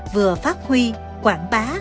vừa phát huy quảng bá